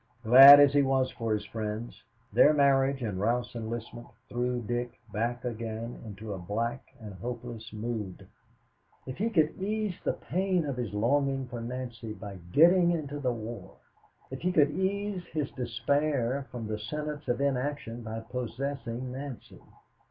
Glad as he was for his friends, their marriage and Ralph's enlistment threw Dick back again into a black and hopeless mood. If he could ease the pain of his longing for Nancy by getting into the war! If he could ease his despair from the sentence to inaction by possessing Nancy!